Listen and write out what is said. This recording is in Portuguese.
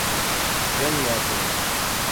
Janiópolis